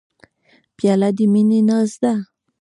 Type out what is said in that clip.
پیاله د مینې ناز ده.